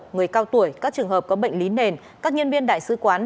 người cao tuổi các trường hợp có bệnh lý nền các nhân viên đại sứ quán